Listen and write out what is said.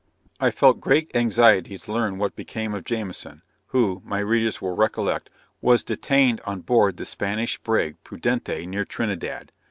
I felt great anxiety to learn what became of Jamieson, who, my readers will recollect, was detained on board the Spanish brig Prudentee near Trinidad.